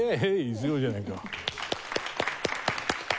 すごいじゃないか。